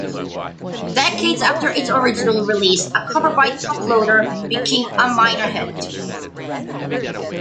Decades after its original release, a cover by Toploader became a minor hit.